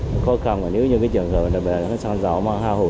nó khó khăn nếu như trường hợp đó là xăng dầu